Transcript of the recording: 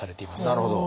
なるほど。